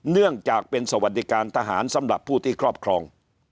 เนื่องจากเป็นสวัสดิการทหารสำหรับผู้ที่ครอบครอง